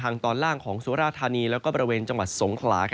ทางตอนล่างของสุรทานีและก็บริเวณจังหวัดสงครา